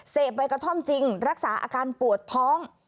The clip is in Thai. ใบกระท่อมจริงรักษาอาการปวดท้อง